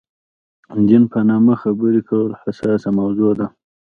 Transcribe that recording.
دین په نامه خبرې کول حساسه موضوع ده.